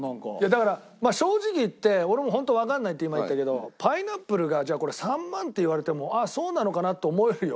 だから正直言って俺も「本当わからない」って今言ったけどパイナップルがじゃあこれ「３万」って言われてもああそうなのかなって思えるよ。